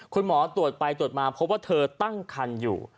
คุณหมอตรวจไปตรวจมาพบว่าเธอตั้งคันอยู่